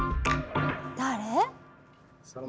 誰？